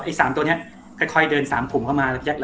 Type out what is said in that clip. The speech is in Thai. อ่าอ่าอ่าอ่าอ่าอ่าอ่าอ่าอ่าอ่าอ่าอ่าอ่าอ่าอ่า